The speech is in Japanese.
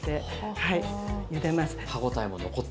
はい。